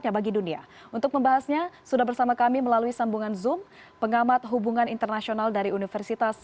ya bisa selamat sore